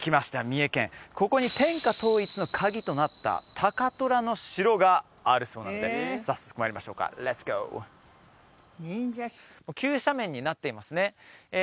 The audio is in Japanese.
三重県ここに天下統一のカギとなった高虎の城があるそうなので早速参りましょうかレッツゴー急斜面になっていますねえ